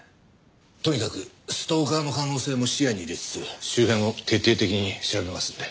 とにかくストーカーの可能性も視野に入れつつ周辺を徹底的に調べますので。